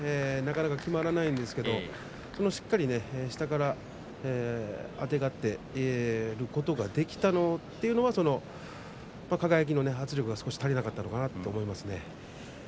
なかなかきまらないんですけれどもしっかり下からあてがって出ることができたというのが輝の圧力が少し足りなかったのかと思いますね。